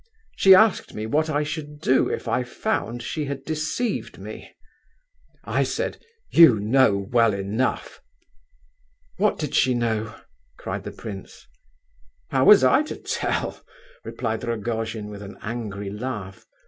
She asked me what I should do if I found she had deceived me. I said, 'You know well enough.'" "What did she know?" cried the prince. "How was I to tell?" replied Rogojin, with an angry laugh.